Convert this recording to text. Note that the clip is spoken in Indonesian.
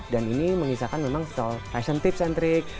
dan ini mengisahkan memang sesuatu fashion tips and tricks